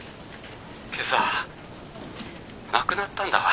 ☎けさ亡くなったんだわ。